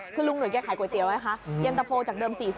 คือลุงหน่วยเคยขายก๋วยเตี๋ยวด้วยคะยกเต้าโฟล์จากเดิม๔๐